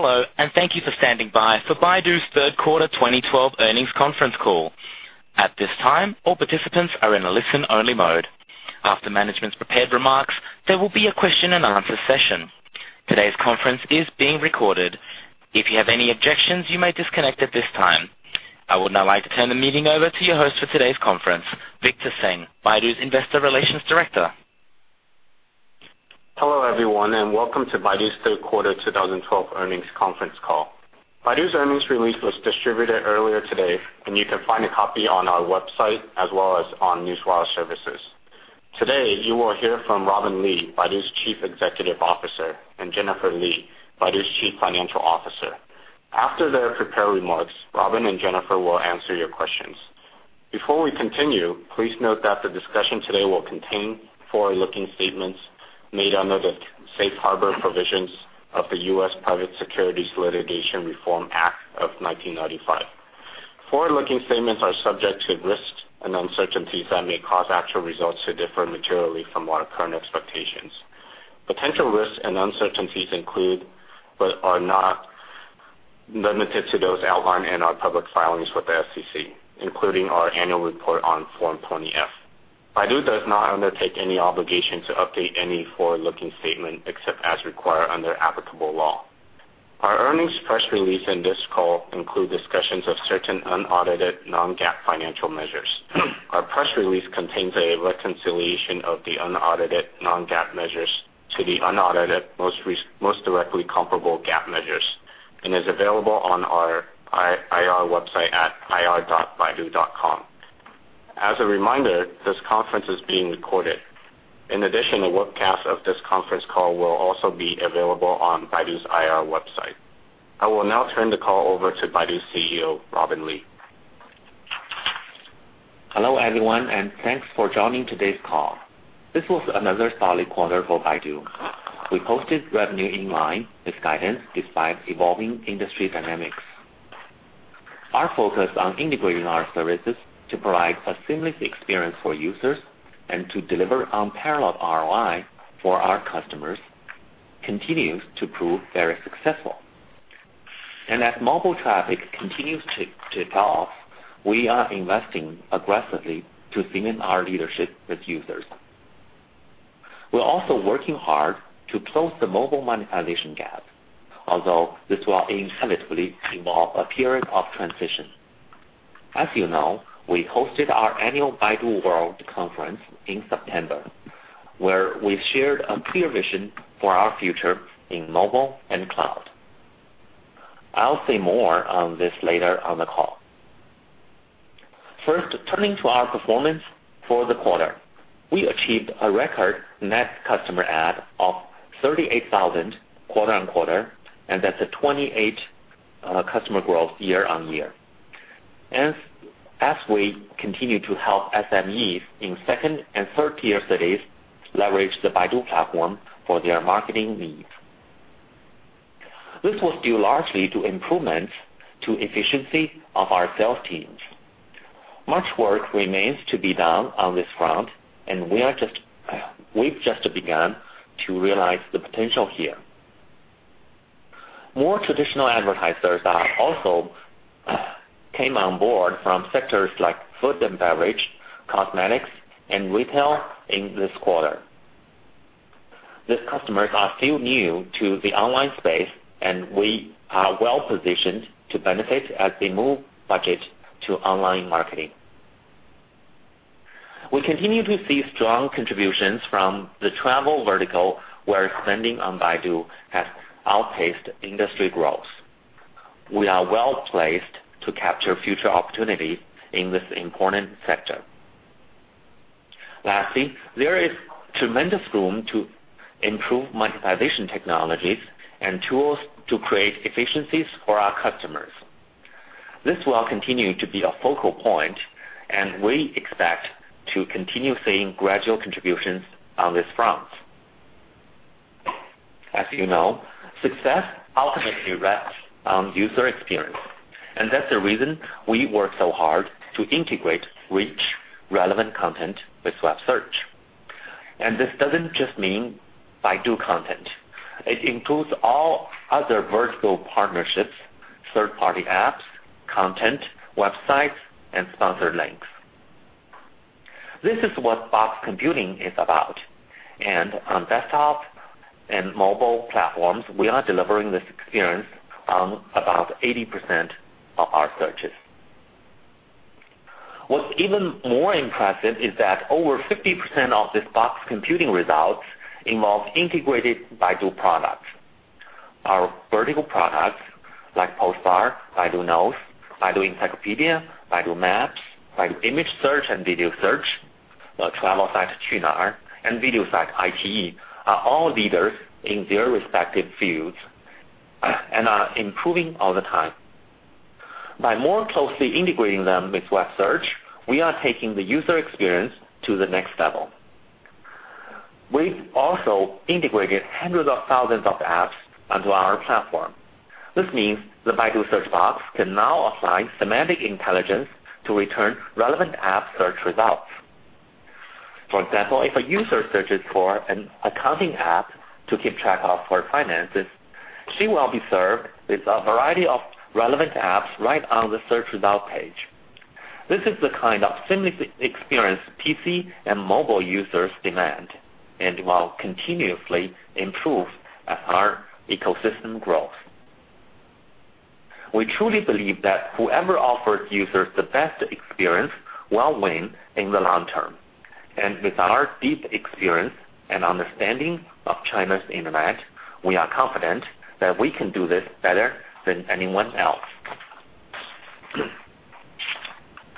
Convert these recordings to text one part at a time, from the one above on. Hello, thank you for standing by for Baidu's third quarter 2012 earnings conference call. At this time, all participants are in a listen-only mode. After management's prepared remarks, there will be a question and answer session. Today's conference is being recorded. If you have any objections, you may disconnect at this time. I would now like to turn the meeting over to your host for today's conference, Victor Tseng, Baidu's Investor Relations Director. Hello, everyone, welcome to Baidu's third quarter 2012 earnings conference call. Baidu's earnings release was distributed earlier today, and you can find a copy on our website as well as on Newswire services. Today, you will hear from Robin Li, Baidu's Chief Executive Officer, and Jennifer Li, Baidu's Chief Financial Officer. After their prepared remarks, Robin and Jennifer will answer your questions. Before we continue, please note that the discussion today will contain forward-looking statements made under the Safe Harbor Provisions of the U.S. Private Securities Litigation Reform Act of 1995. Forward-looking statements are subject to risks and uncertainties that may cause actual results to differ materially from our current expectations. Potential risks and uncertainties include but are not limited to those outlined in our public filings with the SEC, including our annual report on Form 20-F. Baidu does not undertake any obligation to update any forward-looking statement except as required under applicable law. Our earnings press release in this call include discussions of certain unaudited non-GAAP financial measures. Our press release contains a reconciliation of the unaudited non-GAAP measures to the unaudited most directly comparable GAAP measures and is available on our IR website at ir.baidu.com. As a reminder, this conference is being recorded. A webcast of this conference call will also be available on Baidu's IR website. I will now turn the call over to Baidu CEO, Robin Li. Hello, everyone, thanks for joining today's call. This was another solid quarter for Baidu. We posted revenue in line with guidance despite evolving industry dynamics. Our focus on integrating our services to provide a seamless experience for users and to deliver unparalleled ROI for our customers continues to prove very successful. As mobile traffic continues to take off, we are investing aggressively to cement our leadership with users. We're also working hard to close the mobile monetization gap. This will inevitably involve a period of transition. As you know, we hosted our annual Baidu World Conference in September, where we shared a clear vision for our future in mobile and cloud. I'll say more on this later on the call. First, turning to our performance for the quarter. We achieved a record net customer add of 38,000 quarter-on-quarter, and that's a 28% customer growth year-on-year. As we continue to help SMEs in second and third-tier cities leverage the Baidu platform for their marketing needs, this was due largely to improvements to efficiency of our sales teams. Much work remains to be done on this front and we've just begun to realize the potential here. More traditional advertisers also came on board from sectors like food and beverage, cosmetics, and retail in this quarter. These customers are still new to the online space, and we are well-positioned to benefit as they move budget to online marketing. We continue to see strong contributions from the travel vertical, where spending on Baidu has outpaced industry growth. We are well-placed to capture future opportunities in this important sector. Lastly, there is tremendous room to improve monetization technologies and tools to create efficiencies for our customers. This will continue to be a focal point, and we expect to continue seeing gradual contributions on this front. As you know, success ultimately rests on user experience, and that's the reason we work so hard to integrate rich, relevant content with web search. This doesn't just mean Baidu content. It includes all other vertical partnerships, third-party apps, content, websites, and sponsored links. This is what box computing is about. On desktop and mobile platforms, we are delivering this experience on about 80% of our searches. What's even more impressive is that over 50% of this box computing results involve integrated Baidu products. Our vertical products like Postbar, Baidu Knows, Baidu Encyclopedia, Baidu Maps, Baidu Image Search and Video Search, the travel site Qunar, and video site iQIYI are all leaders in their respective fields and are improving all the time. By more closely integrating them with web search, we are taking the user experience to the next level. We've also integrated hundreds of thousands of apps onto our platform. This means the Baidu search box can now apply semantic intelligence to return relevant app search results. For example, if a user searches for an accounting app to keep track of her finances, she will be served with a variety of relevant apps right on the search result page. This is the kind of seamless experience PC and mobile users demand and will continuously improve as our ecosystem grows. We truly believe that whoever offers users the best experience will win in the long term. With our deep experience and understanding of China's internet, we are confident that we can do this better than anyone else.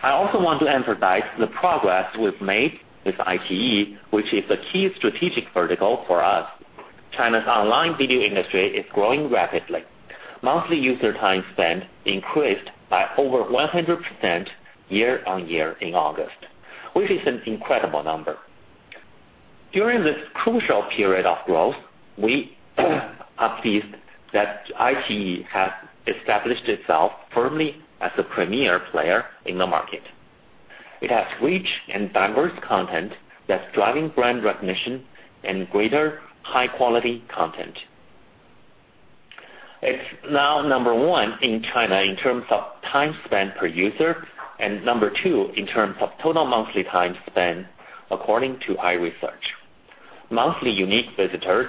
I also want to emphasize the progress we've made with iQIYI, which is a key strategic vertical for us. China's online video industry is growing rapidly. Monthly user time spent increased by over 100% year-on-year in August, which is an incredible number. During this crucial period of growth, we are pleased that iQIYI has established itself firmly as a premier player in the market. It has rich and diverse content that's driving brand recognition and greater high-quality content. It's now number 1 in China in terms of time spent per user, and number 2 in terms of total monthly time spent, according to iResearch. Monthly unique visitors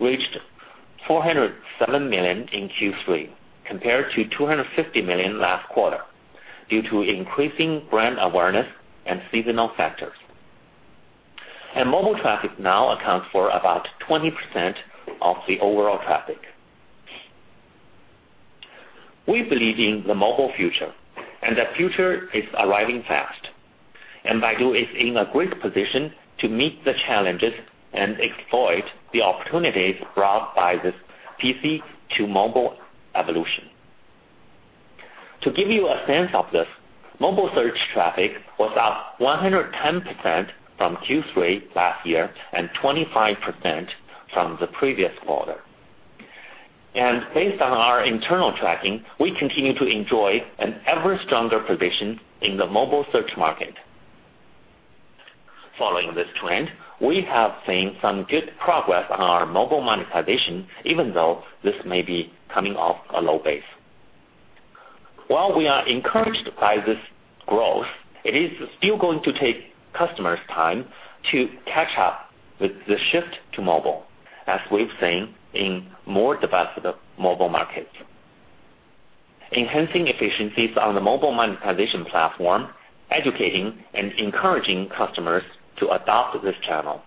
reached 407 million in Q3 compared to 250 million last quarter, due to increasing brand awareness and seasonal factors. Mobile traffic now accounts for about 20% of the overall traffic. We believe in the mobile future and that future is arriving fast. Baidu is in a great position to meet the challenges and exploit the opportunities brought by this PC to mobile evolution. To give you a sense of this, mobile search traffic was up 110% from Q3 last year, and 25% from the previous quarter. Based on our internal tracking, we continue to enjoy an ever stronger position in the mobile search market. Following this trend, we have seen some good progress on our mobile monetization even though this may be coming off a low base. While we are encouraged by this growth, it is still going to take customers time to catch up with the shift to mobile, as we've seen in more developed mobile markets. Enhancing efficiencies on the mobile monetization platform, educating and encouraging customers to adopt this channel,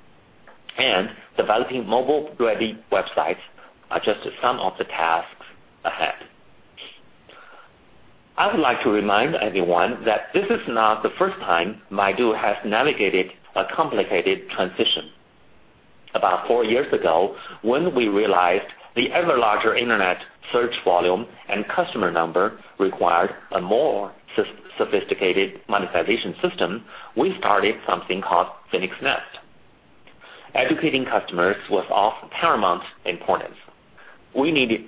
and developing mobile-ready websites are just some of the tasks ahead. I would like to remind everyone that this is not the first time Baidu has navigated a complicated transition. About four years ago, when we realized the ever larger internet search volume and customer number required a more sophisticated monetization system, we started something called Phoenix Nest. Educating customers was of paramount importance. We needed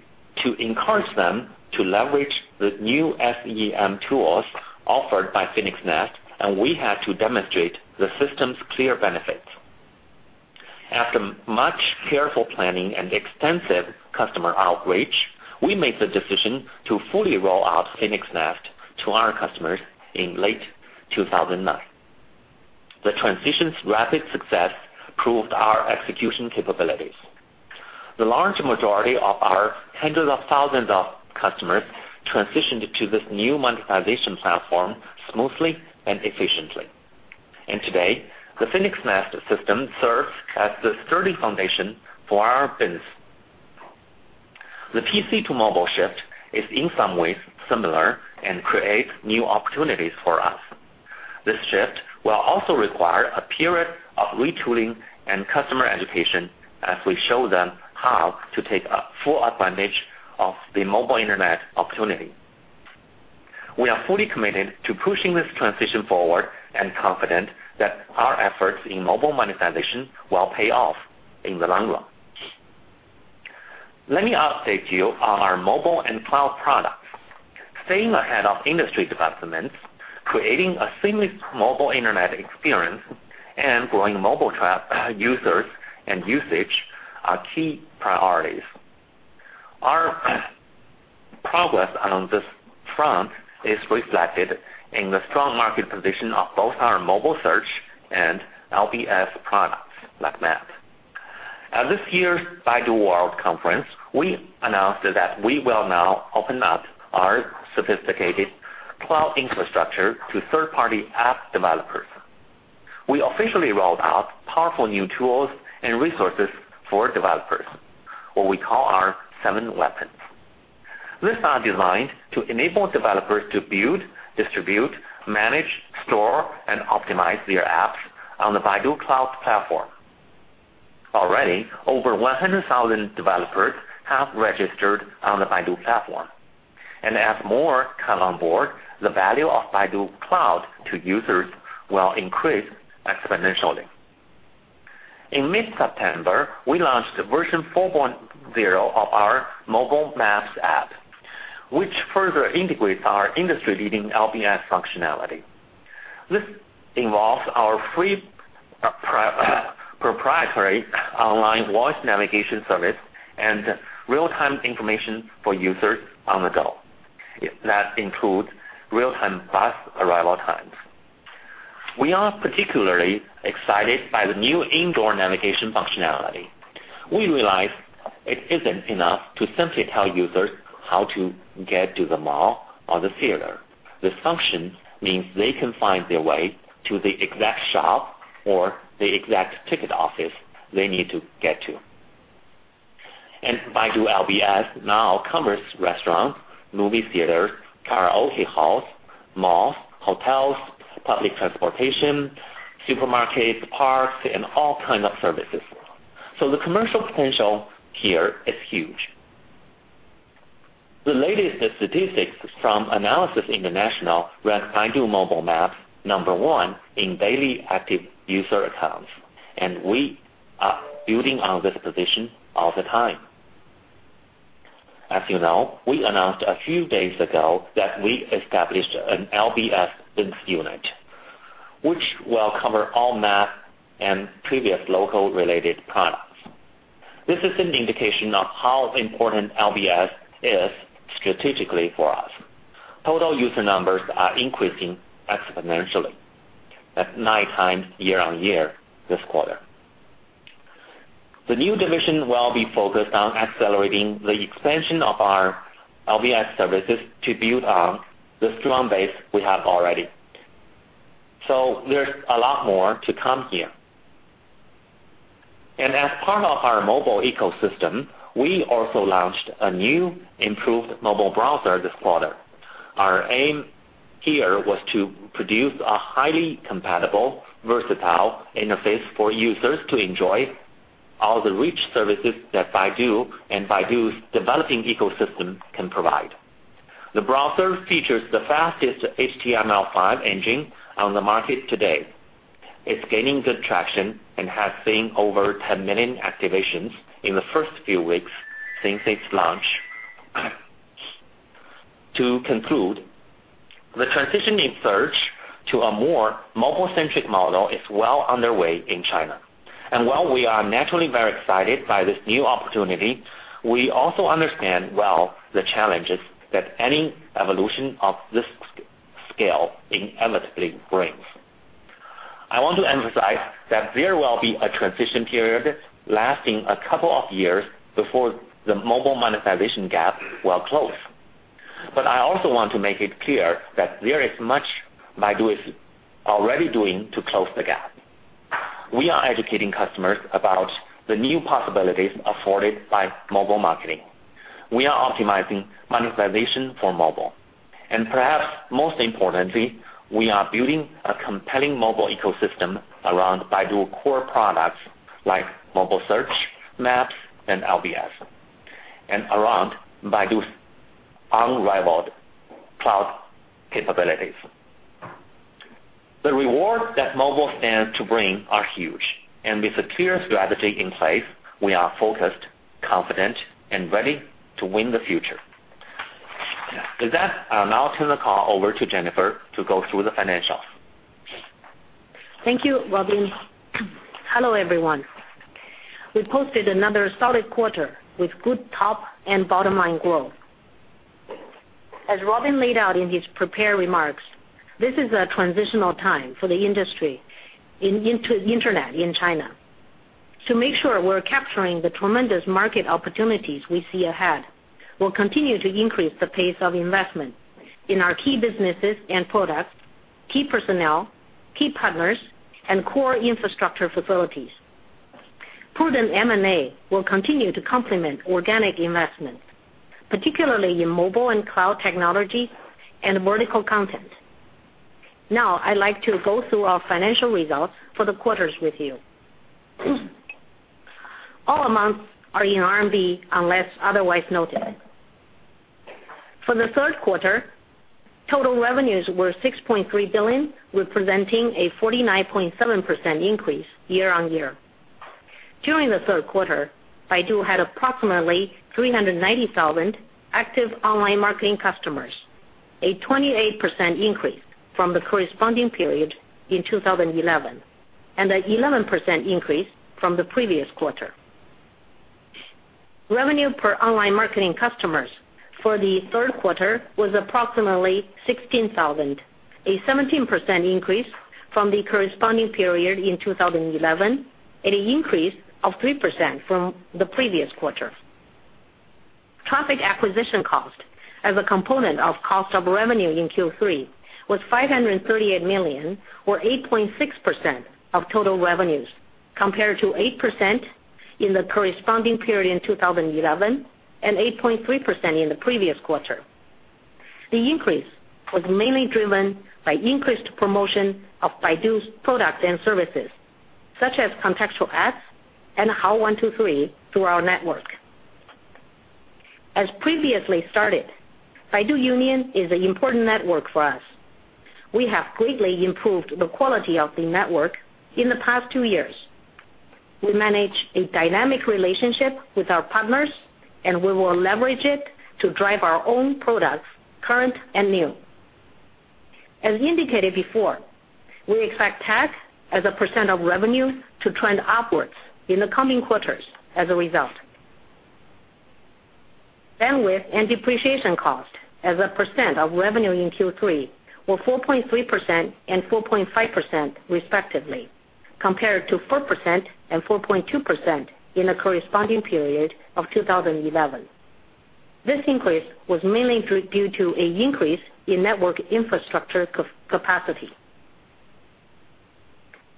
to encourage them to leverage the new SEM tools offered by Phoenix Nest, and we had to demonstrate the system's clear benefits. After much careful planning and extensive customer outreach, we made the decision to fully roll out Phoenix Nest to our customers in late 2009. The transition's rapid success proved our execution capabilities. The large majority of our hundreds of thousands of customers transitioned to this new monetization platform smoothly and efficiently. Today, the Phoenix Nest system serves as the sturdy foundation for our business. The PC to mobile shift is in some ways similar and creates new opportunities for us. This shift will also require a period of retooling and customer education as we show them how to take full advantage of the mobile internet opportunity. We are fully committed to pushing this transition forward and confident that our efforts in mobile monetization will pay off in the long run. Let me update you on our mobile and cloud products. Staying ahead of industry developments, creating a seamless mobile internet experience, and growing mobile users and usage are key priorities. Our progress along this front is reflected in the strong market position of both our mobile search and LBS products like Maps. At this year's Baidu World Conference, we announced that we will now open up our sophisticated cloud infrastructure to third-party app developers. We officially rolled out powerful new tools and resources for developers, what we call our seven weapons. These are designed to enable developers to build, distribute, manage, store, and optimize their apps on the Baidu Cloud platform. Already, over 100,000 developers have registered on the Baidu platform. As more come on board, the value of Baidu Cloud to users will increase exponentially. In mid-September, we launched version 4.0 of our mobile maps app, which further integrates our industry-leading LBS functionality. This involves our free proprietary online voice navigation service and real-time information for users on the go. That includes real-time bus arrival times. We are particularly excited by the new indoor navigation functionality. We realize it isn't enough to simply tell users how to get to the mall or the theater. This function means they can find their way to the exact shop or the exact ticket office they need to get to. Baidu LBS now covers restaurants, movie theaters, karaoke halls, malls, hotels, public transportation, supermarkets, parks, and all kinds of services. The commercial potential here is huge. The latest statistics from Analysys International rank Baidu Mobile Maps number 1 in daily active user accounts, and we are building on this position all the time. As you know, we announced a few days ago that we established an LBS unit, which will cover all map and previous local related products. This is an indication of how important LBS is strategically for us. Total user numbers are increasing exponentially. That's nine times year-on-year this quarter. The new division will be focused on accelerating the expansion of our LBS services to build on the strong base we have already. There's a lot more to come here. As part of our mobile ecosystem, we also launched a new improved mobile browser this quarter. Our aim here was to produce a highly compatible, versatile interface for users to enjoy all the rich services that Baidu and Baidu's developing ecosystem can provide. The browser features the fastest HTML5 engine on the market today. It's gaining good traction and has seen over 10 million activations in the first few weeks since its launch. To conclude, the transition in search to a more mobile-centric model is well underway in China. While we are naturally very excited by this new opportunity, we also understand well the challenges that any evolution of this scale inevitably brings. I want to emphasize that there will be a transition period lasting a couple of years before the mobile monetization gap will close. I also want to make it clear that there is much Baidu is already doing to close the gap. We are educating customers about the new possibilities afforded by mobile marketing. We are optimizing monetization for mobile, and perhaps most importantly, we are building a compelling mobile ecosystem around Baidu core products like mobile search, maps, and LBS, and around Baidu's unrivaled cloud capabilities. The reward that mobile stands to bring are huge, and with a clear strategy in place, we are focused, confident, and ready to win the future. With that, I'll now turn the call over to Jennifer to go through the financials. Thank you, Robin. Hello, everyone. We've posted another solid quarter with good top and bottom line growth. As Robin laid out in his prepared remarks, this is a transitional time for the industry, into internet in China. To make sure we're capturing the tremendous market opportunities we see ahead, we'll continue to increase the pace of investment in our key businesses and products, key personnel, key partners, and core infrastructure facilities. Prudent M&A will continue to complement organic investment, particularly in mobile and cloud technology and vertical content. Now, I'd like to go through our financial results for the quarters with you. All amounts are in RMB unless otherwise noted. For the third quarter, total revenues were 6.3 billion, representing a 49.7% increase year-over-year. During the third quarter, Baidu had approximately 390,000 active online marketing customers, a 28% increase from the corresponding period in 2011, and an 11% increase from the previous quarter. Revenue per online marketing customers for the third quarter was approximately 16,000, a 17% increase from the corresponding period in 2011, and an increase of 3% from the previous quarter. Traffic Acquisition Cost as a component of cost of revenue in Q3 was 538 million or 8.6% of total revenues, compared to 8% in the corresponding period in 2011 and 8.3% in the previous quarter. The increase was mainly driven by increased promotion of Baidu's products and services, such as contextual ads and Hao123 through our network. As previously stated, Baidu Union is an important network for us. We have greatly improved the quality of the network in the past two years. We manage a dynamic relationship with our partners, and we will leverage it to drive our own products, current and new. As indicated before, we expect TAC as a percent of revenue to trend upwards in the coming quarters as a result. Bandwidth and depreciation cost as a percent of revenue in Q3 were 4.3% and 4.5%, respectively, compared to 4% and 4.2% in the corresponding period of 2011. This increase was mainly due to an increase in network infrastructure capacity.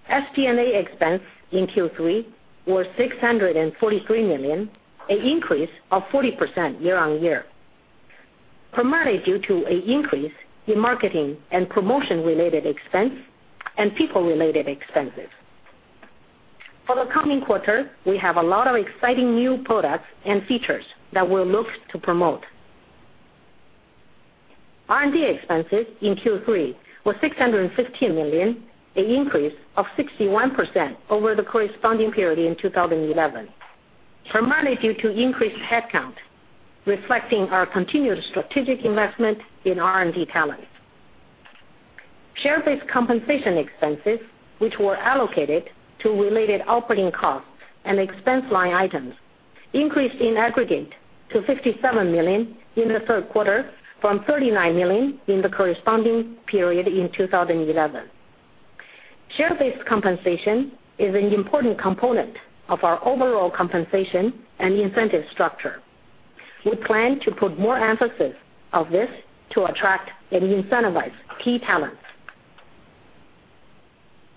SG&A expense in Q3 was 643 million, an increase of 40% year-over-year, primarily due to an increase in marketing and promotion-related expense and people-related expenses. For the coming quarter, we have a lot of exciting new products and features that we'll look to promote. R&D expenses in Q3 were 615 million, an increase of 61% over the corresponding period in 2011, primarily due to increased headcount, reflecting our continued strategic investment in R&D talent. Share-based compensation expenses, which were allocated to related operating costs and expense line items, increased in aggregate to 57 million in the third quarter from 39 million in the corresponding period in 2011. Share-based compensation is an important component of our overall compensation and incentive structure. We plan to put more emphasis on this to attract and incentivize key talent.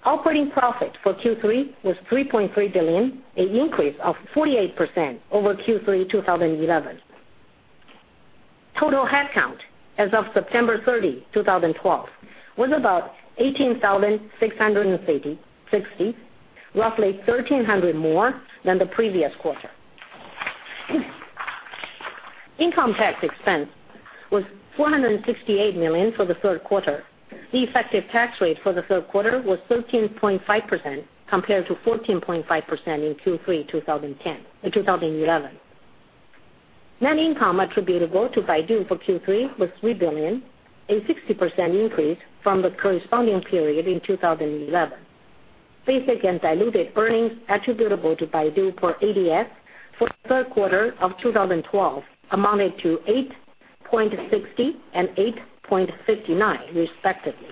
Operating profit for Q3 was 3.3 billion, an increase of 48% over Q3 2011. Total headcount as of September 30, 2012, was about 18,660, roughly 1,300 more than the previous quarter. Income tax expense was 468 million for the third quarter. The effective tax rate for the third quarter was 13.5% compared to 14.5% in Q3 2011. Net income attributable to Baidu for Q3 was 3 billion, a 60% increase from the corresponding period in 2011. Basic and diluted earnings attributable to Baidu per ADS for the third quarter of 2012 amounted to 8.60 and 8.59, respectively.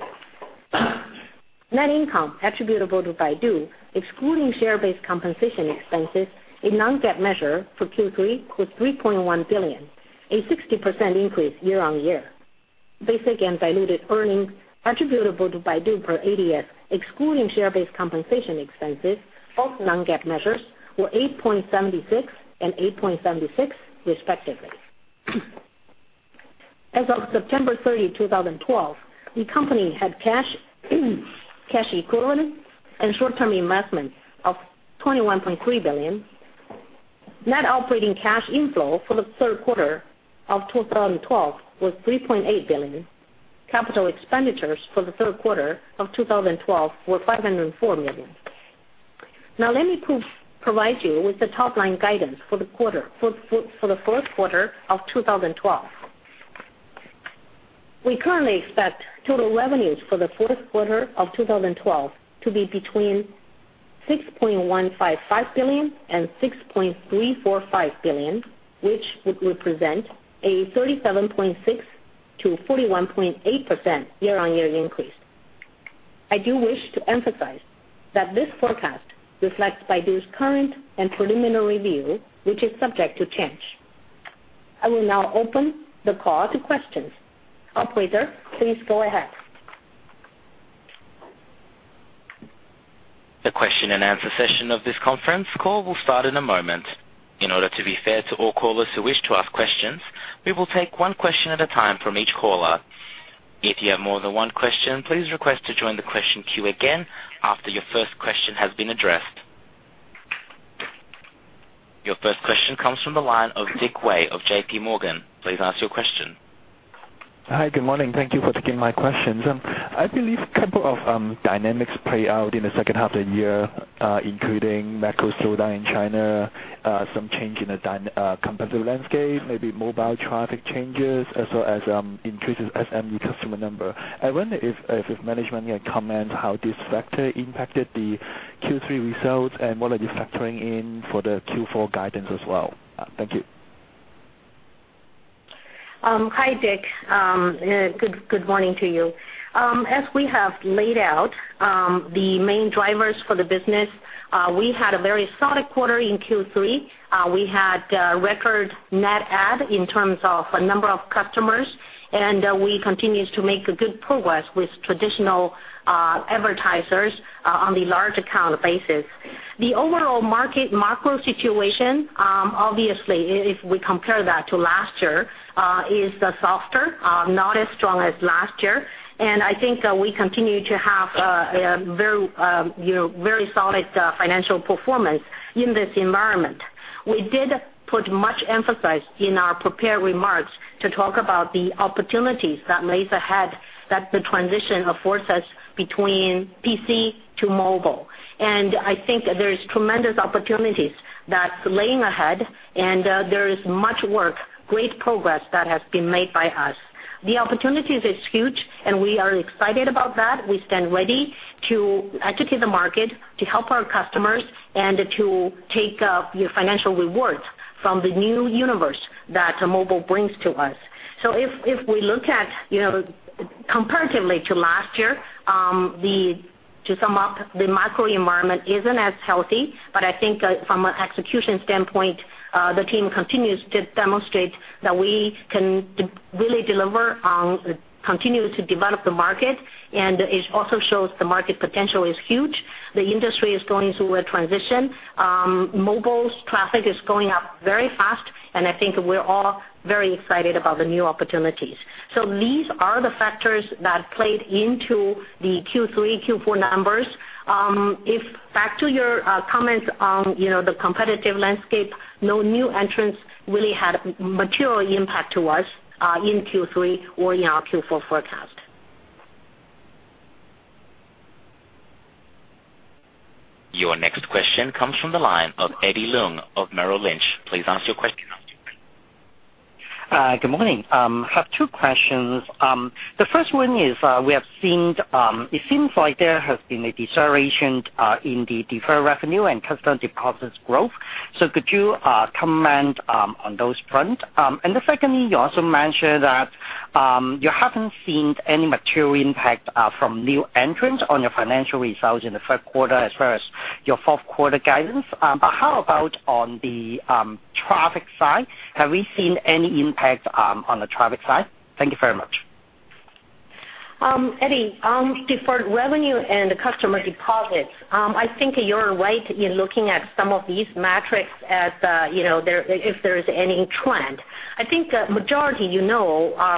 Net income attributable to Baidu, excluding share-based compensation expenses, a non-GAAP measure for Q3, was 3.1 billion, a 60% increase year-on-year. Basic and diluted earnings attributable to Baidu per ADS, excluding share-based compensation expenses, both non-GAAP measures, were 8.76 and 8.76, respectively. As of September 30, 2012, the company had cash equivalents, and short-term investments of 21.3 billion. Net operating cash inflow for the third quarter of 2012 was 3.8 billion. Capital expenditures for the third quarter of 2012 were 504 million. Now let me provide you with the top-line guidance for the fourth quarter of 2012. We currently expect total revenues for the fourth quarter of 2012 to be between 6.155 billion and 6.345 billion, which would represent a 37.6%-41.8% year-on-year increase. I do wish to emphasize that this forecast reflects Baidu's current and preliminary view, which is subject to change. I will now open the call to questions. Operator, please go ahead. The question and answer session of this conference call will start in a moment. In order to be fair to all callers who wish to ask questions, we will take one question at a time from each caller. If you have more than one question, please request to join the question queue again after your first question has been addressed. Your first question comes from the line of Dick Wei of JP Morgan. Please ask your question. Hi, good morning. Thank you for taking my questions. I believe a couple of dynamics played out in the second half of the year, including macro slowdown in China, some change in the competitive landscape, maybe mobile traffic changes, as well as increases SME customer number. I wonder if management can comment how this factor impacted the Q3 results and what are these factoring in for the Q4 guidance as well. Thank you. Hi, Dick. Good morning to you. As we have laid out, the main drivers for the business, we had a very solid quarter in Q3. We had record net add in terms of number of customers, and we continue to make good progress with traditional advertisers on the large account basis. The overall market macro situation, obviously, if we compare that to last year, is softer, not as strong as last year. I think we continue to have a very solid financial performance in this environment. We did put much emphasis in our prepared remarks to talk about the opportunities that lies ahead, that the transition affords us between PC to mobile. I think there's tremendous opportunities that lies ahead, and there is much work, great progress that has been made by us. The opportunities are huge, and we are excited about that. We stand ready to educate the market, to help our customers, and to take the financial rewards from the new universe that mobile brings to us. If we look at comparatively to last year, to sum up, the macro environment isn't as healthy, but I think from an execution standpoint, the team continues to demonstrate that we can really deliver on continuing to develop the market, and it also shows the market potential is huge. The industry is going through a transition. Mobile's traffic is going up very fast, and I think we're all very excited about the new opportunities. These are the factors that played into the Q3, Q4 numbers. If back to your comments on the competitive landscape, no new entrants really had material impact to us, in Q3 or in our Q4 forecast. Your next question comes from the line of Eddie Leung of Merrill Lynch. Please ask your question. Good morning. I have two questions. The first one is, it seems like there has been a deterioration in the deferred revenue and customer deposits growth. Could you comment on those fronts? The second thing, you also mentioned that you haven't seen any material impact from new entrants on your financial results in the third quarter as well as your fourth quarter guidance. How about on the traffic side? Have we seen any impact on the traffic side? Thank you very much. Eddie, deferred revenue and customer deposits. I think you're right in looking at some of these metrics if there is any trend. I think majority of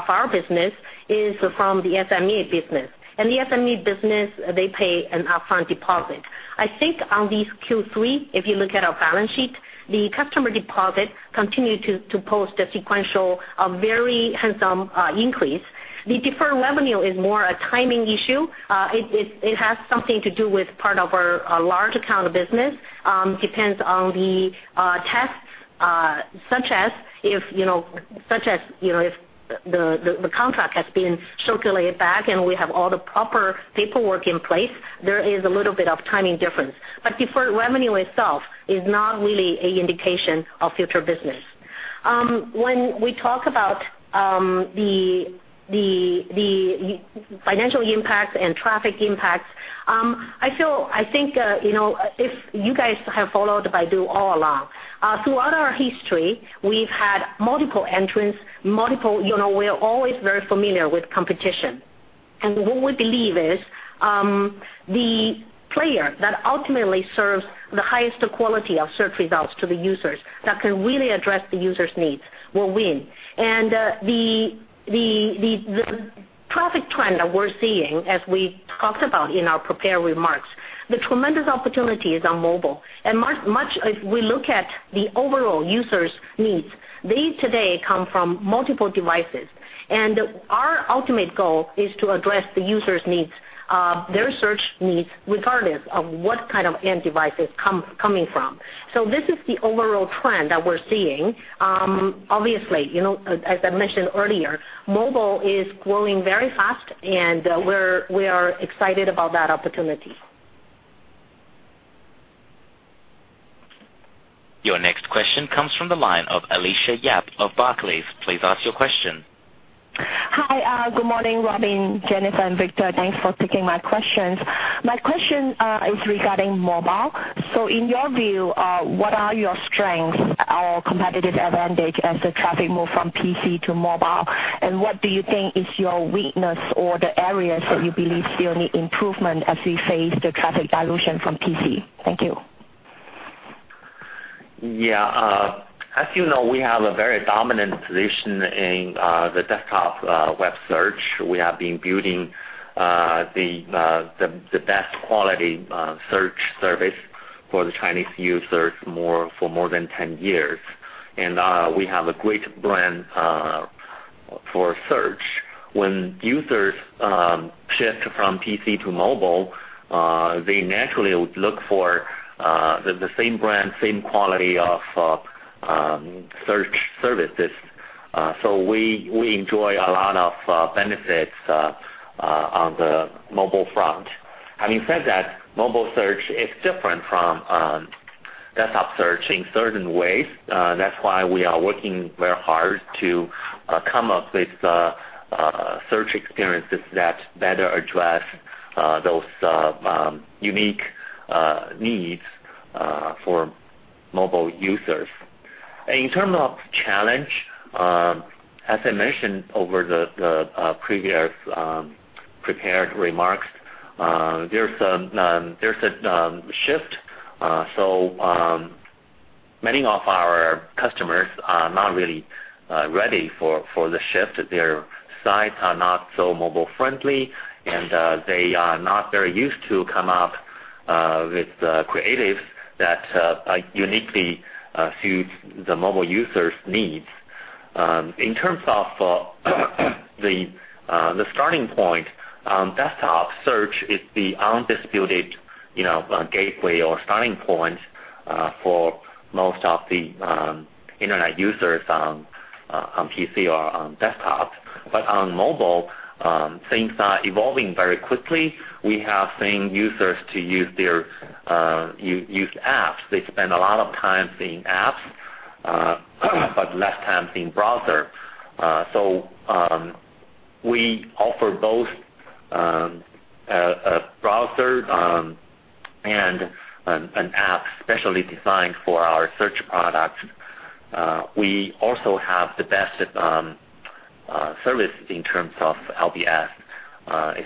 our business is from the SME business. The SME business, they pay an upfront deposit. I think on this Q3, if you look at our balance sheet, the customer deposit continued to post a sequential, a very handsome increase. The deferred revenue is more a timing issue. It has something to do with part of our large account business. Depends on the tests, such as if the contract has been circulated back and we have all the proper paperwork in place, there is a little bit of timing difference. Deferred revenue itself is not really an indication of future business. When we talk about the financial impact and traffic impact, I think, if you guys have followed Baidu all along, throughout our history, we've had multiple entrants. We're always very familiar with competition. What we believe is, the player that ultimately serves the highest quality of search results to the users that can really address the user's needs will win. The traffic trend that we're seeing, as we talked about in our prepared remarks, the tremendous opportunity is on mobile. If we look at the overall users' needs, they today come from multiple devices. Our ultimate goal is to address the users' needs, their search needs, regardless of what kind of end device it's coming from. This is the overall trend that we're seeing. Obviously, as I mentioned earlier, mobile is growing very fast, and we are excited about that opportunity. Your next question comes from the line of Alicia Yap of Barclays. Please ask your question. Hi. Good morning, Robin, Jennifer, and Victor. Thanks for taking my questions. My question is regarding mobile. In your view, what are your strengths or competitive advantage as the traffic move from PC to mobile? What do you think is your weakness or the areas that you believe still need improvement as we face the traffic dilution from PC? Thank you. Yeah. As you know, we have a very dominant position in the desktop web search. We have been building the best quality search service for the Chinese users for more than 10 years. We have a great brand for search. When users shift from PC to mobile, they naturally would look for the same brand, same quality of search services. We enjoy a lot of benefits on the mobile front. Having said that, mobile search is different from desktop search in certain ways. That's why we are working very hard to come up with search experiences that better address those unique needs for mobile users. In terms of challenge, as I mentioned over the previous prepared remarks, there's a shift. Many of our not really ready for the shift. Their sites are not so mobile-friendly, and they are not very used to coming up with creatives that uniquely suit the mobile users' needs. In terms of the starting point, desktop search is the undisputed gateway or starting point for most of the internet users on PC or on desktop. On mobile, things are evolving very quickly. We have seen users use apps. They spend a lot of time seeing apps, but less time seeing browser. We offer both a browser and an app specially designed for our search products. We also have the best service in terms of LBS,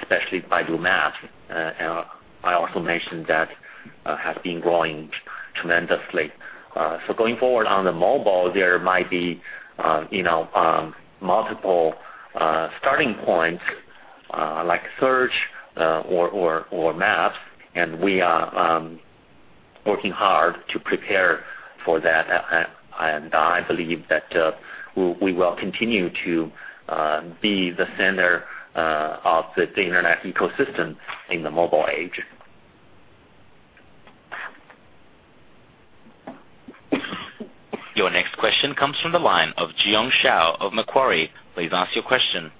especially Baidu Map. I also mentioned that has been growing tremendously. Going forward on the mobile, there might be multiple starting points like search or maps, and we are working hard to prepare for that. I believe that we will continue to be the center of the internet ecosystem in the mobile age. Your next question comes from the line of Jiong Shao of Macquarie. Please ask your question.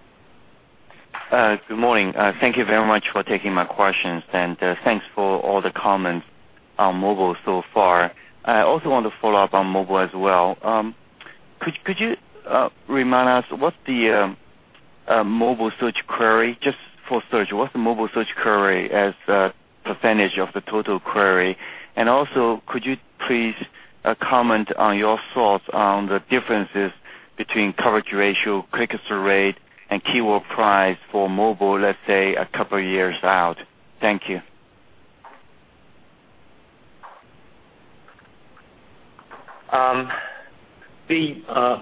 Good morning. Thank you very much for taking my questions, and thanks for all the comments on mobile so far. I also want to follow up on mobile as well. Could you remind us, just for search, what's the mobile search query as a percentage of the total query? Could you please comment on your thoughts on the differences between coverage ratio, click-through rate, and keyword price for mobile, let's say, a couple of years out? Thank you. The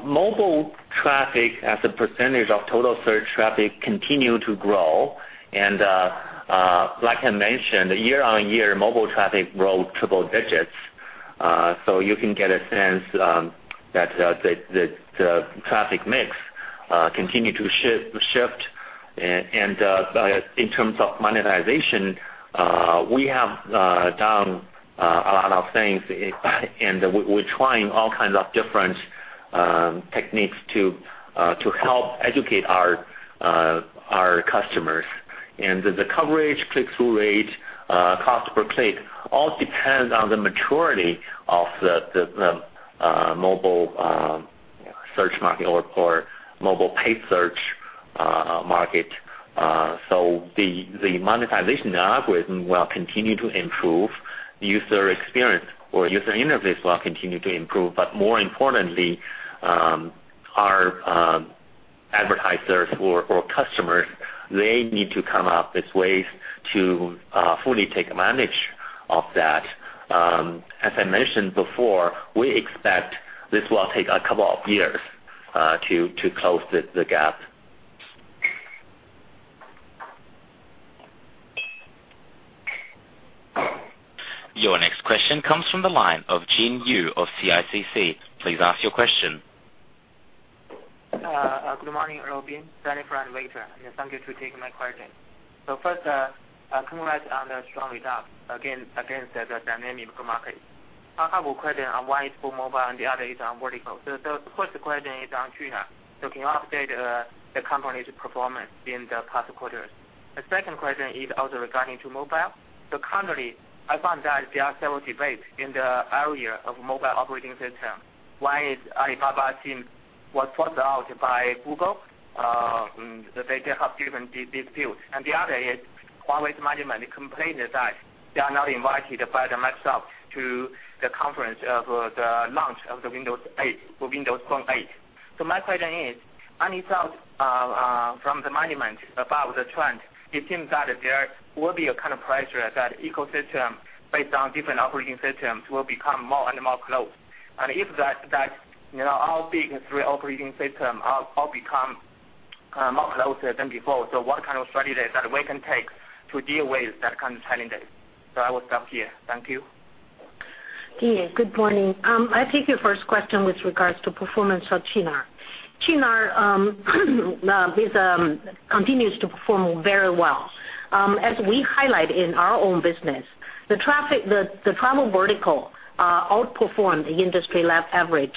mobile traffic as a percentage of total search traffic continue to grow. Like I mentioned, year-over-year, mobile traffic growth triple digits. You can get a sense that the traffic mix continue to shift. In terms of monetization, we have done a lot of things, and we're trying all kinds of different techniques to help educate our customers. The coverage, click-through rate, cost per click, all depends on the maturity of the mobile search market or mobile paid search market. The monetization algorithm will continue to improve. User experience or user interface will continue to improve. More importantly, our advertisers or customers, they need to come up with ways to fully take advantage of that. As I mentioned before, we expect this will take a couple of years to close the gap. Your next question comes from the line of Jin Yu of CICC. Please ask your question. Good morning, Robin. Danny Fran, Fei Fang, and thank you to taking my question. First, congrats on the strong results against the dynamic market. I have a question on wise for mobile, and the other is on vertical. The first question is on Qunar. Can you update the company's performance in the past quarters? The second question is also regarding to mobile. Currently, I find that there are several debates in the area of mobile operating system. One is Alibaba team was forced out by Google, and that they have different disputes. The other is Huawei's management complained that they are not invited by the Microsoft to the conference of the launch of the Windows 8, for Windows Phone 8. My question is, any thoughts from the management about the trend? It seems that there will be a kind of pressure that ecosystem based on different operating systems will become more and more close. If that all big three operating system all become more closer than before, what kind of strategy that we can take to deal with that kind of challenges? I will stop here. Thank you. Yeah. Good morning. I'll take your first question with regards to performance of Qunar. Qunar continues to perform very well. As we highlight in our own business, the travel vertical outperformed the industry lab average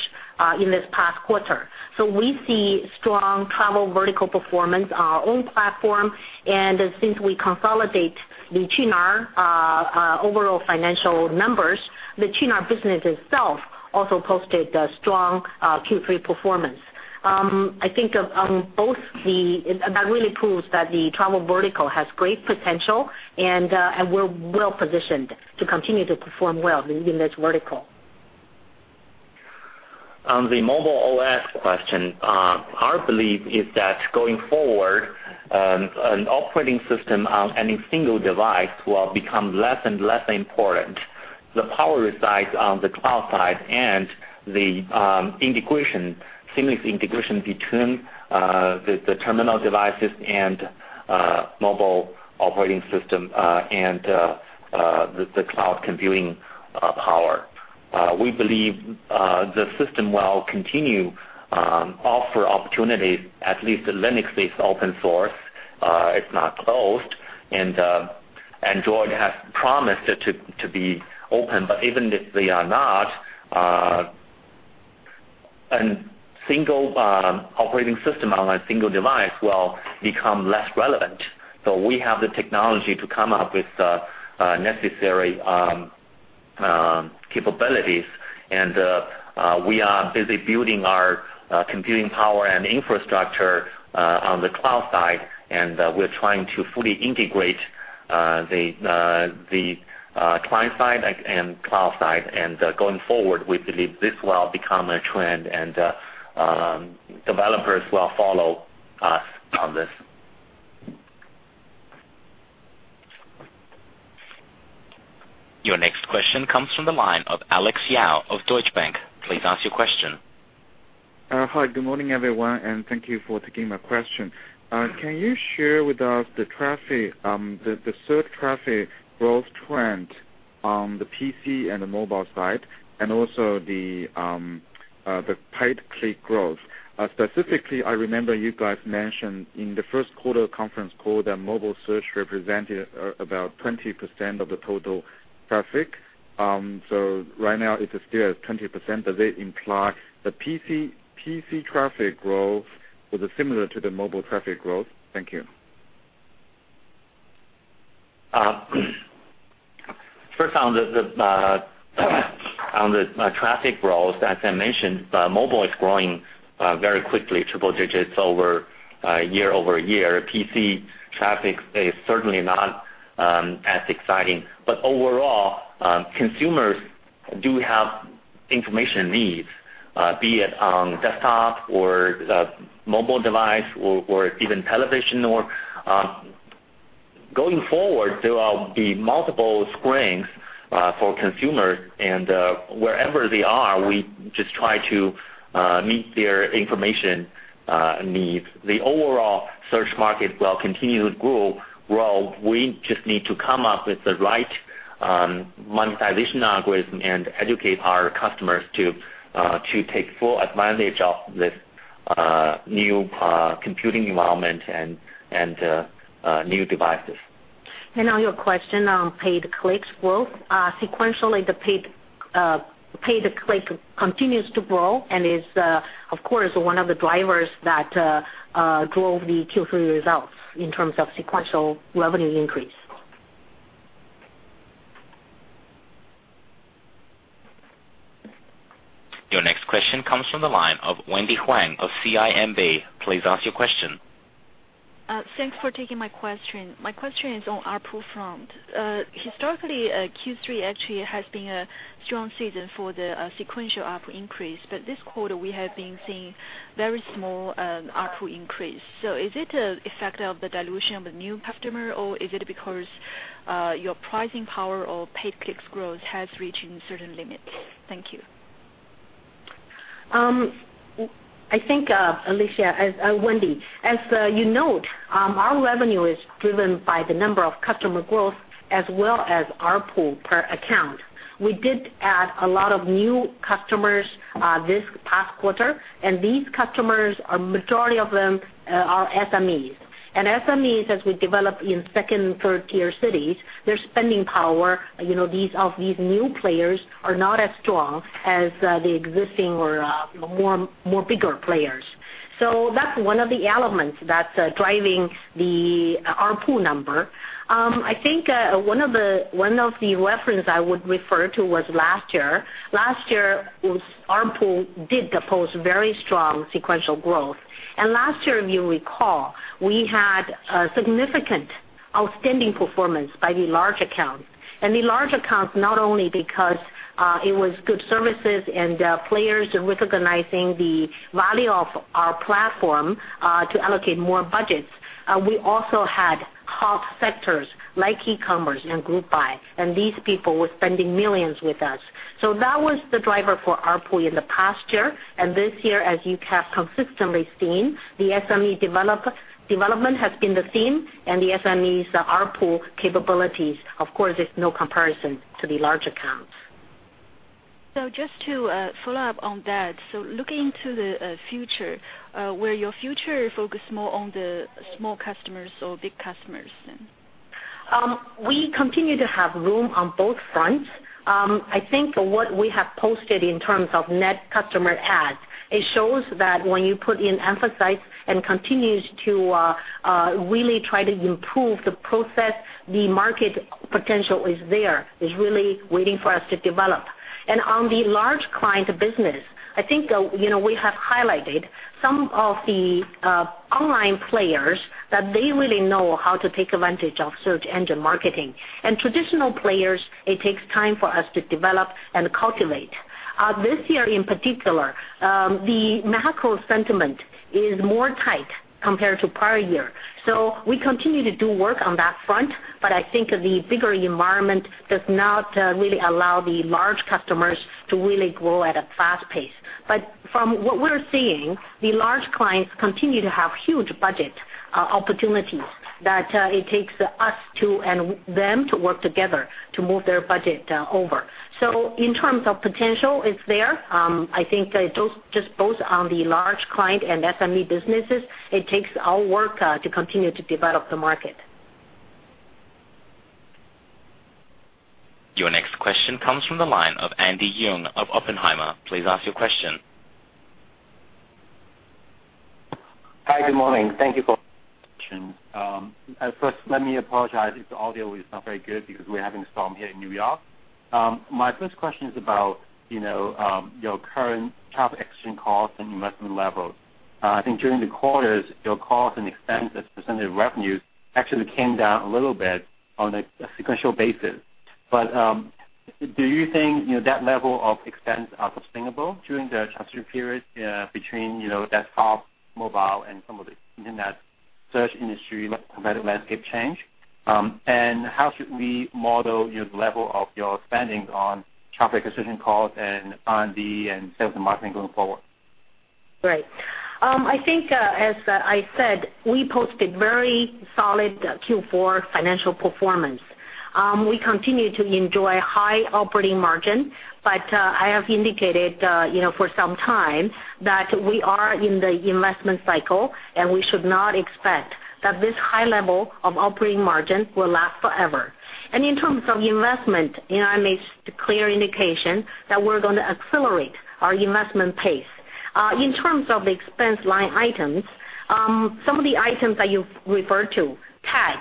in this past quarter. We see strong travel vertical performance on our own platform. Since we consolidate the Qunar overall financial numbers, the Qunar business itself also posted a strong Q3 performance. That really proves that the travel vertical has great potential, and we're well-positioned to continue to perform well in this vertical. On the mobile OS question, our belief is that going forward, an operating system on any single device will become less and less important. The power resides on the cloud side and the seamless integration between the terminal devices and mobile operating system, and the cloud computing power. We believe the system will continue offer opportunities, at least the Linux-based open source. It's not closed. Android has promised to be open, but even if they are not, a single operating system on a single device will become less relevant. We have the technology to come up with necessary capabilities, and we are busy building our computing power and infrastructure on the cloud side, and we're trying to fully integrate the client side and cloud side. Going forward, we believe this will become a trend, and developers will follow us on this. Your next question comes from the line of Alex Yao of Deutsche Bank. Please ask your question. Hi, good morning, everyone, and thank you for taking my question. Can you share with us the search traffic growth trend on the PC and the mobile side, and also the paid click growth? Specifically, I remember you guys mentioned in the first quarter conference call that mobile search represented about 20% of the total traffic. Right now, it is still at 20%. Does it imply the PC traffic growth was similar to the mobile traffic growth? Thank you. First on the traffic growth, as I mentioned, mobile is growing very quickly, triple digits year-over-year. PC traffic is certainly not as exciting. Overall, consumers do have information needs, be it on desktop or mobile device or even television. Going forward, there will be multiple screens for consumers, wherever they are, we just try to meet their information needs. The overall search market will continue to grow. We just need to come up with the right monetization algorithm and educate our customers to take full advantage of this new computing environment and new devices. Now your question on paid clicks growth. Sequentially, the paid click continues to grow and is, of course, one of the drivers that drove the Q3 results in terms of sequential revenue increase. Your next question comes from the line of Wendy Huang of CIMB. Please ask your question. Thanks for taking my question. My question is on ARPU front. Historically, Q3 actually has been a strong season for the sequential ARPU increase. This quarter, we have been seeing very small ARPU increase. Is it an effect of the dilution of the new customer, or is it because your pricing power or paid clicks growth has reached certain limits? Thank you. I think, Wendy, as you note, our revenue is driven by the number of customer growth as well as ARPU per account. We did add a lot of new customers this past quarter, and these customers, a majority of them are SMEs. SMEs, as we develop in second- and third-tier cities, their spending power of these new players are not as strong as the existing or more bigger players. That's one of the elements that's driving the ARPU number. I think one of the references I would refer to was last year. Last year, ARPU did post very strong sequential growth. Last year, if you recall, we had a significant outstanding performance by the large accounts. The large accounts, not only because it was good services and players recognizing the value of our platform to allocate more budgets, we also had hot sectors like e-commerce and Group Buy, and these people were spending millions with us. That was the driver for ARPU in the past year. This year, as you have consistently seen, the SME development has been the theme, and the SMEs' ARPU capabilities, of course, there's no comparison to the large accounts. Just to follow up on that, looking into the future, will your future focus more on the small customers or big customers then? We continue to have room on both fronts. I think what we have posted in terms of net customer adds, it shows that when you put in emphasis and continues to really try to improve the process, the market potential is there. It's really waiting for us to develop. On the large client business, I think we have highlighted some of the online players, that they really know how to take advantage of search engine marketing. Traditional players, it takes time for us to develop and cultivate. This year in particular, the macro sentiment is more tight compared to prior year. We continue to do work on that front, but I think the bigger environment does not really allow the large customers to really grow at a fast pace. From what we're seeing, the large clients continue to have huge budget opportunities that it takes us and them to work together to move their budget over. In terms of potential, it's there. I think just both on the large client and SME businesses, it takes our work to continue to develop the market. Your next question comes from the line of Andy Yeung of Oppenheimer. Please ask your question. Hi, good morning. Thank you. First, let me apologize if the audio is not very good because we're having a storm here in N.Y. My first question is about your current traffic acquisition costs and investment levels. I think during the quarters, your costs and expenses, percentage of revenues, actually came down a little bit on a sequential basis. Do you think that level of expense are sustainable during the transition period between desktop, mobile, and some of the internet search industry competitive landscape change? How should we model your level of your spendings on traffic acquisition costs and R&D and sales and marketing going forward? Right. I think, as I said, we posted very solid Q4 financial performance. We continue to enjoy high operating margin, but I have indicated for some time that we are in the investment cycle, and we should not expect that this high level of operating margin will last forever. In terms of investment, I made a clear indication that we are going to accelerate our investment pace. In terms of expense line items, some of the items that you referred to, TAC.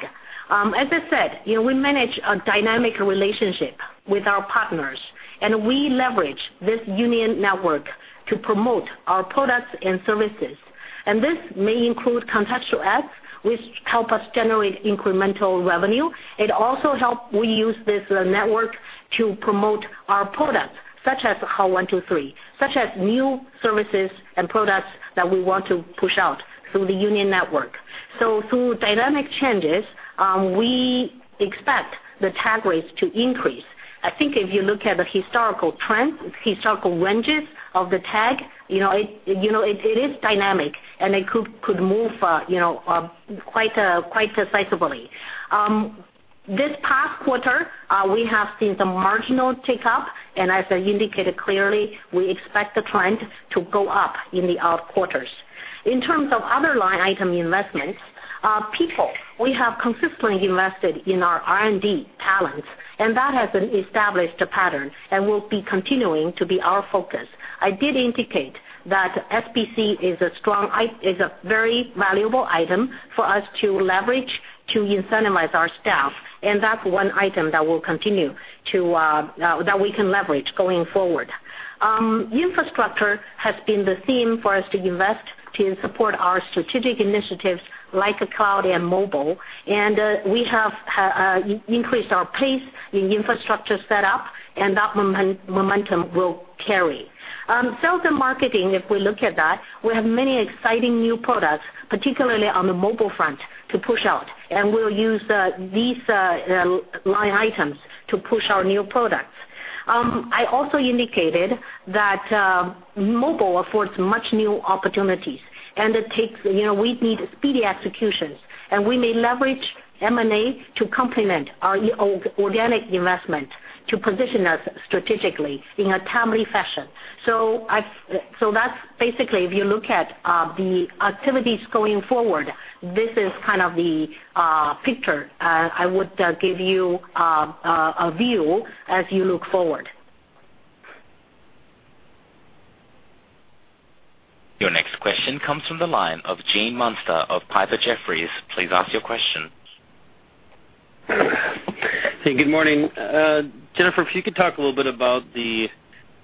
As I said, we manage a dynamic relationship with our partners, and we leverage this Baidu Union network to promote our products and services. This may include contextual ADS, which helps us generate incremental revenue. It also helps us use this network to promote our products, such as Hao123, such as new services and products that we want to push out through the Baidu Union network. Through dynamic changes, we expect the TAC rates to increase. I think if you look at the historical trends, historical ranges of the TAC, it is dynamic, and it could move quite decisively. This past quarter, we have seen some marginal tick up, and as I indicated clearly, we expect the trend to go up in the quarters. In terms of other line item investments, people. We have consistently invested in our R&D talents, and that has been established a pattern and will be continuing to be our focus. I did indicate that SBC is a very valuable item for us to leverage to incentivize our staff, and that is one item that we can leverage going forward. Infrastructure has been the theme for us to invest to support our strategic initiatives like Baidu Cloud and mobile. We have increased our pace in infrastructure set up, and that momentum will carry. Sales and marketing, if we look at that, we have many exciting new products, particularly on the mobile front, to push out, and we will use these line items to push our new products. I also indicated that mobile affords much new opportunities, and we need speedy executions, and we may leverage M&A to complement our organic investment to position us strategically in a timely fashion. That is basically, if you look at the activities going forward, this is kind of the picture I would give you a view as you look forward. Your next question comes from the line of Gene Munster of Piper Jaffray. Please ask your question. Good morning. Jennifer, if you could talk a little bit about the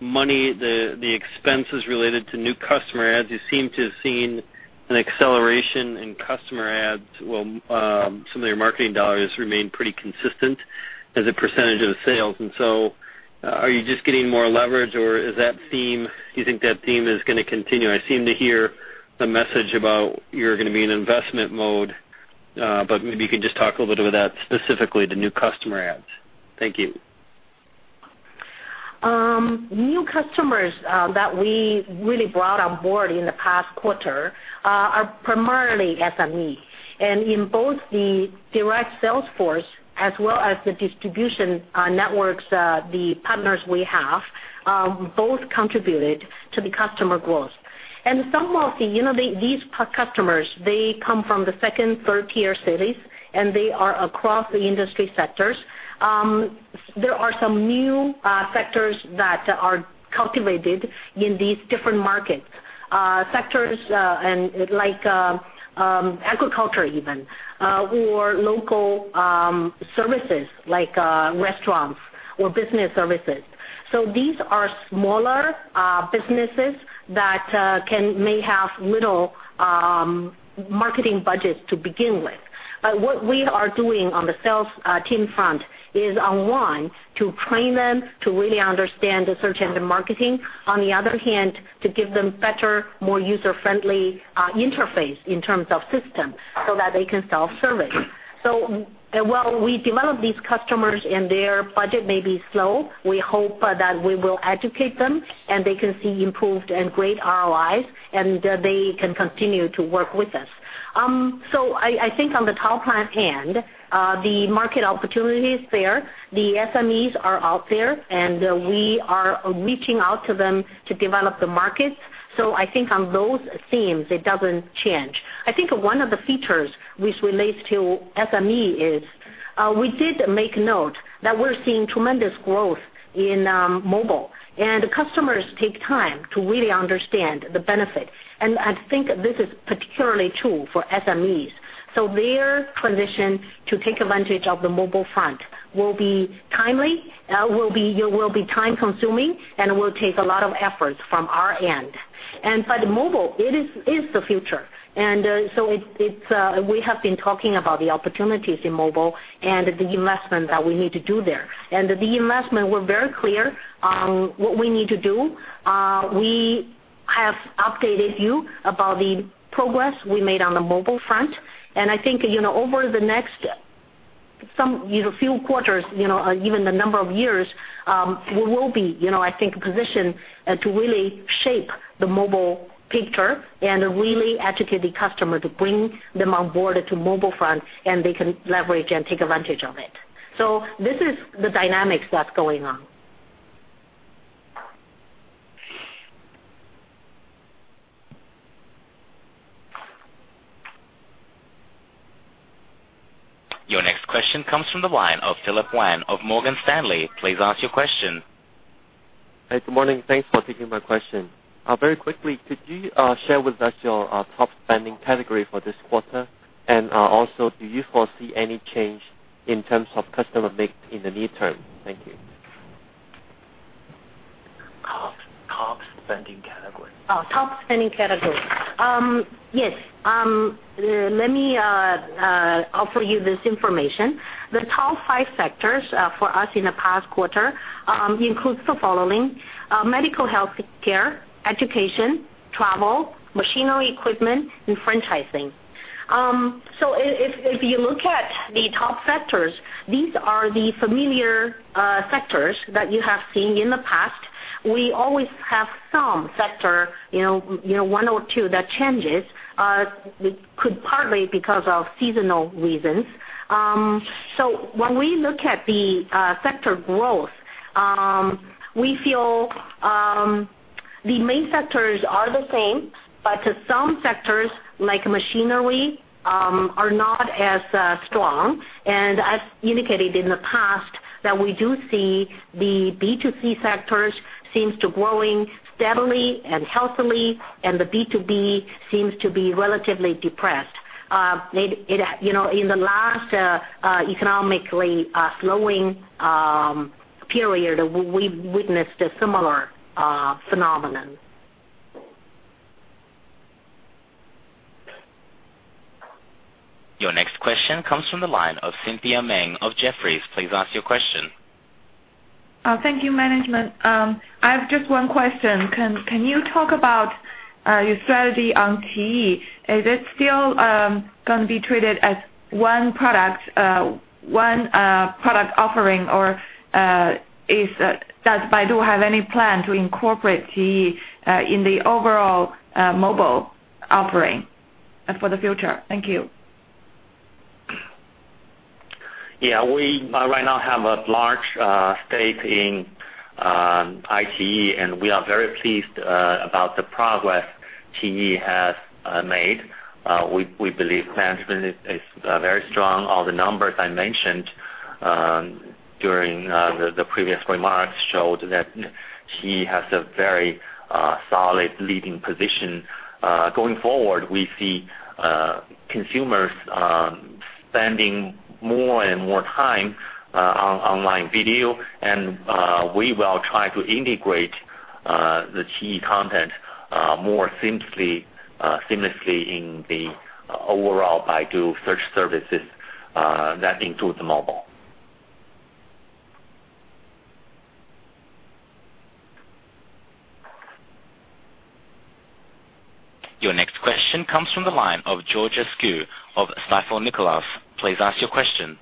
money, the expenses related to new customer ads. You seem to have seen an acceleration in customer ads. Well, some of your marketing dollars remain pretty consistent as a percentage of sales. Are you just getting more leverage, or do you think that theme is going to continue? I seem to hear the message about you're going to be in investment mode, maybe you can just talk a little bit about that, specifically the new customer ads. Thank you. New customers that we really brought on board in the past quarter are primarily SME, in both the direct sales force as well as the distribution networks, the partners we have, both contributed to the customer growth. Some of these customers, they come from the second, third-tier cities, and they are across the industry sectors. There are some new sectors that are cultivated in these different markets. Sectors like agriculture even, or local services like restaurants or business services. These are smaller businesses that may have little marketing budgets to begin with. What we are doing on the sales team front is, one, to train them to really understand the search engine marketing. On the other hand, to give them better, more user-friendly interface in terms of system so that they can self-serve it. While we develop these customers, and their budget may be slow, we hope that we will educate them, and they can see improved and great ROIs, and they can continue to work with us. I think on the top-line end, the market opportunity is there. The SMEs are out there, and we are reaching out to them to develop the markets. I think on those themes, it doesn't change. I think one of the features which relates to SME is, we did make note that we're seeing tremendous growth in mobile, and customers take time to really understand the benefit. I think this is particularly true for SMEs. Their transition to take advantage of the mobile front will be timely, will be time-consuming, and will take a lot of effort from our end. Mobile is the future. We have been talking about the opportunities in mobile and the investment that we need to do there. The investment, we're very clear on what we need to do. We have updated you about the progress we made on the mobile front, and I think over the next few quarters, even the number of years, we will be, I think, positioned to really shape the mobile picture and really educate the customer to bring them on board to mobile front, and they can leverage and take advantage of it. This is the dynamics that's going on. Your next question comes from the line of Philip Wan of Morgan Stanley. Please ask your question. Hey, good morning. Thanks for taking my question. Very quickly, could you share with us your top spending category for this quarter? Also, do you foresee any change in terms of customer mix in the near term? Thank you. Top spending category. Top spending category. Yes. Let me offer you this information. The top five sectors for us in the past quarter includes the following: medical healthcare, education, travel, machinery equipment, and franchising. If you look at the top sectors, these are the familiar sectors that you have seen in the past. We always have some sector, one or two that changes, could partly because of seasonal reasons. When we look at the sector growth, we feel the main sectors are the same, but some sectors, like machinery, are not as strong. I've indicated in the past that we do see the B2C sectors seems to growing steadily and healthily, and the B2B seems to be relatively depressed. In the last economically slowing period, we've witnessed a similar phenomenon. Your next question comes from the line of Cynthia Meng of Jefferies. Please ask your question. Thank you, management. I have just one question. Can you talk about your strategy on iQIYI? Is it still going to be treated as one product offering, or does Baidu have any plan to incorporate iQIYI in the overall mobile offering for the future? Thank you. Yeah. We right now have a large stake in iQIYI, and we are very pleased about the progress iQIYI has made. We believe management is very strong. All the numbers I mentioned during the previous remarks showed that iQIYI has a very solid leading position. Going forward, we see consumers spending more and more time on online video, and we will try to integrate the iQIYI content more seamlessly in the overall Baidu search services. That includes mobile. Your next question comes from the line of George Askew of Stifel Nicolaus. Please ask your question.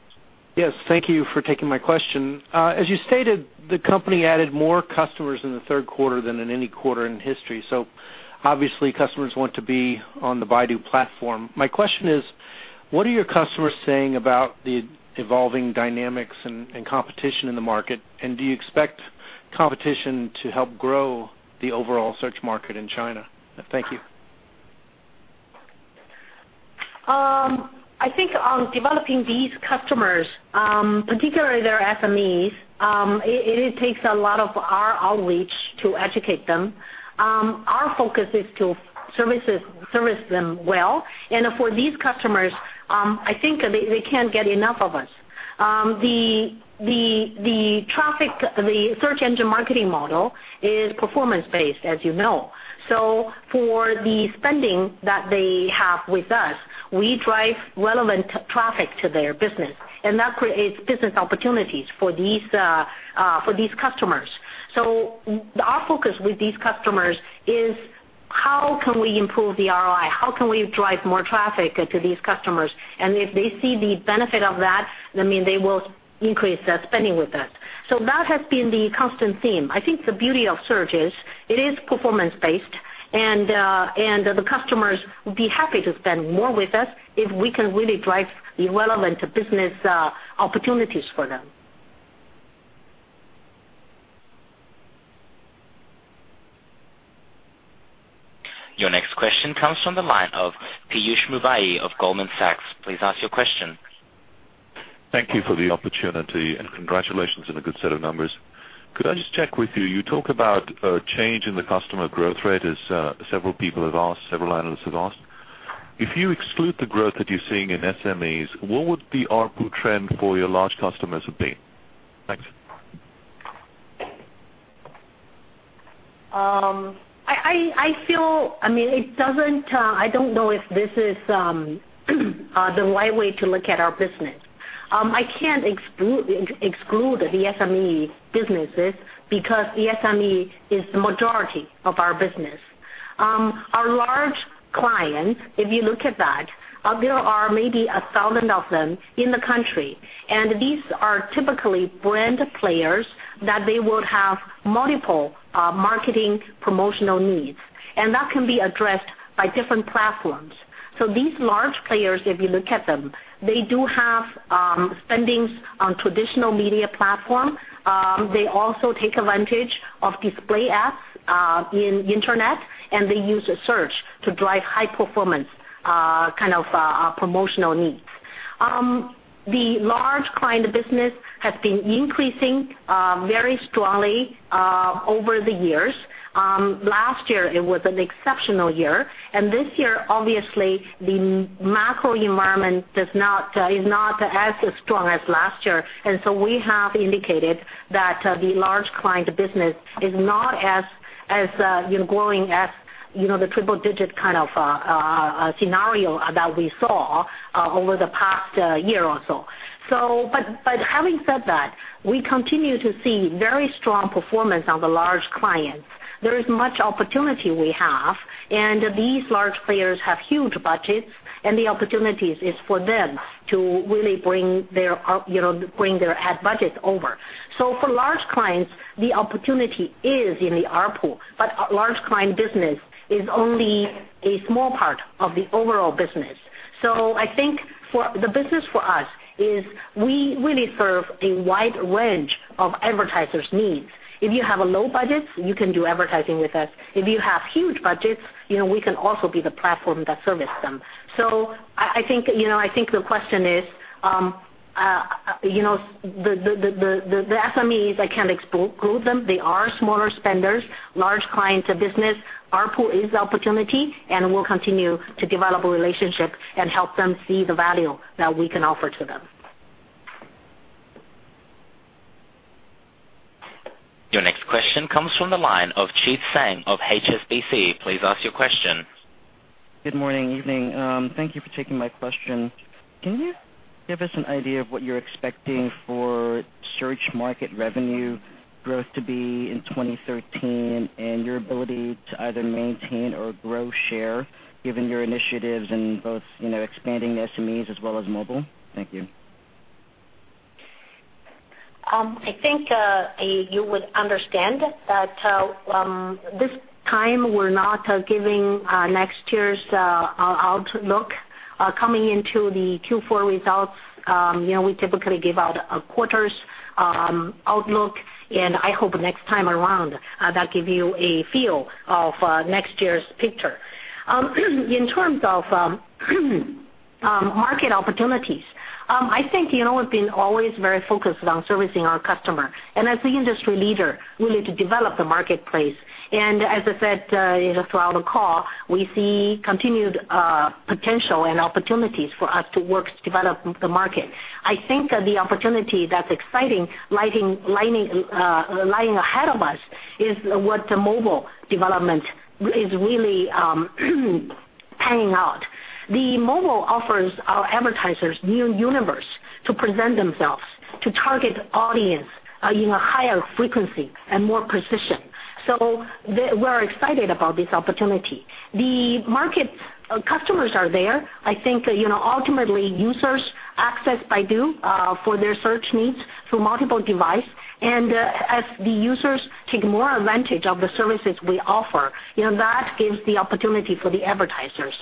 Yes, thank you for taking my question. As you stated, the company added more customers in the third quarter than in any quarter in history. Obviously, customers want to be on the Baidu platform. My question is, what are your customers saying about the evolving dynamics and competition in the market, and do you expect competition to help grow the overall search market in China? Thank you. I think on developing these customers, particularly their SMEs, it takes a lot of our outreach to educate them. Our focus is to service them well. For these customers, I think they can't get enough of us. The search engine marketing model is performance-based, as you know. For the spending that they have with us, we drive relevant traffic to their business, and that creates business opportunities for these customers. Our focus with these customers is how can we improve the ROI? How can we drive more traffic to these customers? If they see the benefit of that, they will increase their spending with us. That has been the constant theme. I think the beauty of search is, it is performance-based, and the customers will be happy to spend more with us if we can really drive the relevant business opportunities for them. Your next question comes from the line of Piyush Mubayi of Goldman Sachs. Please ask your question. Thank you for the opportunity and congratulations on a good set of numbers. Could I just check with you talk about a change in the customer growth rate, as several analysts have asked. If you exclude the growth that you're seeing in SMEs, what would the ARPU trend for your large customers be? Thanks. I don't know if this is the right way to look at our business. I can't exclude the SME businesses because the SME is the majority of our business. Our large clients, if you look at that, there are maybe 1,000 of them in the country. These are typically brand players that they would have multiple marketing promotional needs. That can be addressed by different platforms. These large players, if you look at them, they do have spendings on traditional media platform. They also take advantage of display ads in Internet, and they use search to drive high performance promotional needs. The large client business has been increasing very strongly over the years. Last year, it was an exceptional year, and this year, obviously, the macro environment is not as strong as last year. We have indicated that the large client business is not growing as the triple-digit kind of scenario that we saw over the past year or so. Having said that, we continue to see very strong performance on the large clients. There is much opportunity we have, and these large players have huge budgets, and the opportunities is for them to really bring their ad budget over. For large clients, the opportunity is in the ARPU, large client business is only a small part of the overall business. I think the business for us is we really serve a wide range of advertisers' needs. If you have a low budget, you can do advertising with us. If you have huge budgets, we can also be the platform that service them. I think the question is, the SMEs, I can't exclude them. They are smaller spenders. Large clients of business, ARPU is the opportunity, and we'll continue to develop a relationship and help them see the value that we can offer to them. Your next question comes from the line of Chi Tsang of HSBC. Please ask your question. Good morning, evening. Thank you for taking my question. Can you give us an idea of what you're expecting for search market revenue growth to be in 2013 and your ability to either maintain or grow share given your initiatives in both expanding the SMEs as well as mobile? Thank you. I think you would understand that this time we're not giving next year's outlook. Coming into the Q4 results, we typically give out a quarter's outlook. I hope next time around that give you a feel of next year's picture. In terms of market opportunities, I think we've been always very focused on servicing our customer. As the industry leader, we need to develop the marketplace. As I said throughout the call, we see continued potential and opportunities for us to work to develop the market. I think the opportunity that's exciting, lying ahead of us is what the mobile development is really panning out. The mobile offers our advertisers new universe to present themselves, to target audience in a higher frequency and more precision. We're excited about this opportunity. The customers are there. I think, ultimately, users access Baidu for their search needs through multiple device. As the users take more advantage of the services we offer, that gives the opportunity for the advertisers.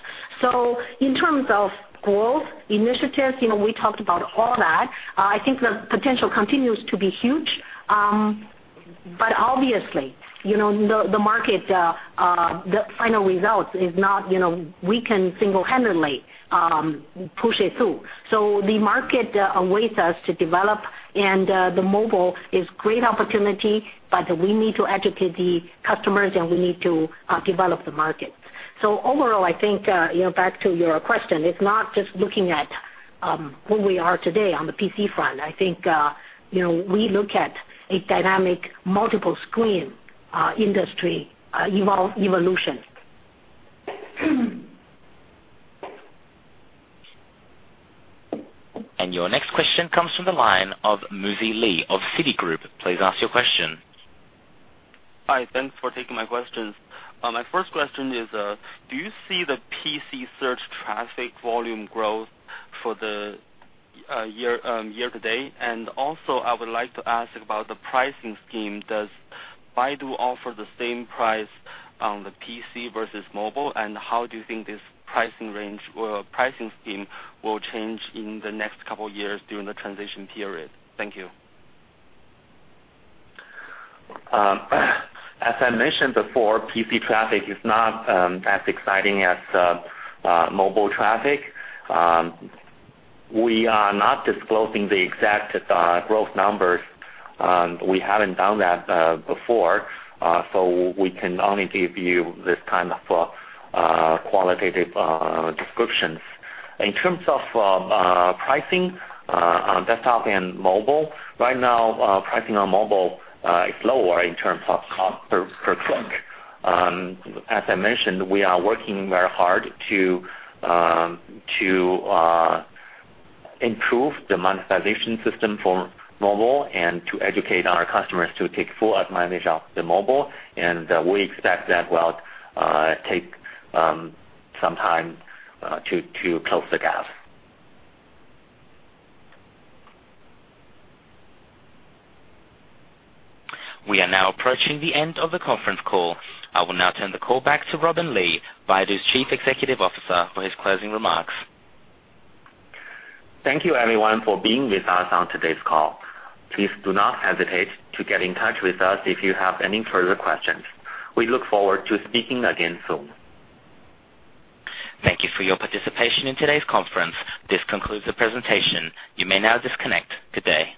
In terms of growth initiatives, we talked about all that. I think the potential continues to be huge. Obviously, the market, the final results is not we can single-handedly push it through. The market awaits us to develop. The mobile is great opportunity, but we need to educate the customers. We need to develop the market. Overall, I think, back to your question, it's not just looking at where we are today on the PC front. I think we look at a dynamic multiple-screen industry evolution. Your next question comes from the line of Muzhi Li of Citigroup. Please ask your question. Hi. Thanks for taking my questions. My first question is, do you see the PC search traffic volume growth for the year-to-date? I would like to ask about the pricing scheme. Does Baidu offer the same price on the PC versus mobile, and how do you think this pricing scheme will change in the next couple of years during the transition period? Thank you. As I mentioned before, PC traffic is not as exciting as mobile traffic. We are not disclosing the exact growth numbers. We haven't done that before, so we can only give you this kind of qualitative descriptions. In terms of pricing on desktop and mobile, right now, pricing on mobile is lower in terms of cost per click. As I mentioned, we are working very hard to improve the monetization system for mobile and to educate our customers to take full advantage of the mobile, and we expect that will take some time to close the gap. We are now approaching the end of the conference call. I will now turn the call back to Robin Li, Baidu's Chief Executive Officer, for his closing remarks. Thank you everyone for being with us on today's call. Please do not hesitate to get in touch with us if you have any further questions. We look forward to speaking again soon. Thank you for your participation in today's conference. This concludes the presentation. You may now disconnect. Good day.